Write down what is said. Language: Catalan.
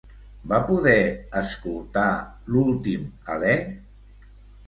Va poder escoltar l'últim alè?